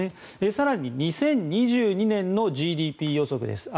更に２０２２年のＧＤＰ予測です。